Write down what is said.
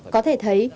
có thể thấy